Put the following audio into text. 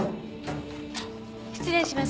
失礼します。